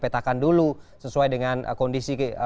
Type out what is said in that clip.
kita coba dulu sesuai dengan kondisi